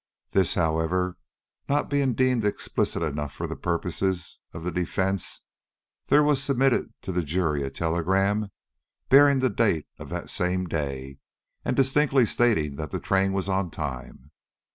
This, however, not being deemed explicit enough for the purposes of the defence, there was submitted to the jury a telegram bearing the date of that same day, and distinctly stating that the train was on time.